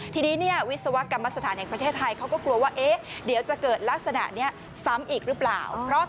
ทีนี้วิศวกรรมสถานแห่งประเทศไทยเขาก็กลัวว่าเดี๋ยวจะเกิดลักษณะนี้ซ้ำอีกหรือเปล่า